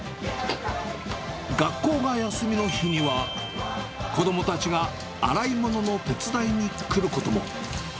学校が休みの日には、子どもたちが洗い物の手伝いに来ることも。